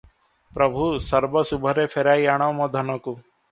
ପ୍ରଭୁ! ସର୍ବଶୁଭରେ ଫେରାଇ ଆଣ ମୋ ଧନକୁ ।